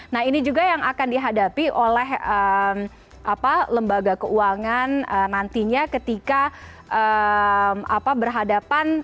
nah ini juga yang akan dihadapi oleh lembaga keuangan nantinya ketika berhadapan